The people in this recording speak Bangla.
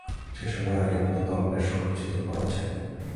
সেই সময় আগের মত তলপেট সঙ্কুচিত করা চাই।